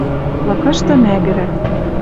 Лыкышты мӓгӹрӓ